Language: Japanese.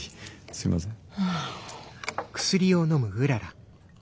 すいません。